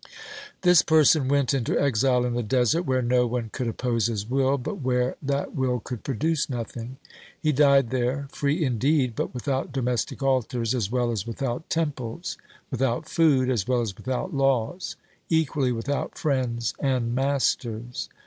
This person went into exile in the desert, where no one could oppose his will but where that will could produce nothing. He died there, free indeed, but without domestic altars, as well as without temples ; without food, as well as without laws, equally without friends and masters.